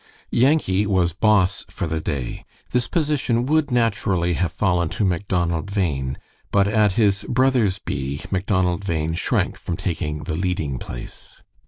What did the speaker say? Yankee was "boss" for the day. This position would naturally have fallen to Macdonald Bhain, but at his brother's bee, Macdonald Bhain shrank from taking the leading place.